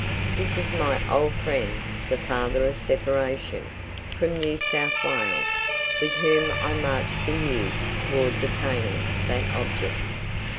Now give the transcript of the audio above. This is my old friend, the "Father of Separation" (from New South Wales), with whom I marched for years towards attaining that object.